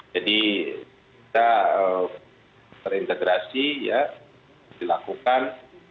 jadi kita terintegrasi ya dilakukan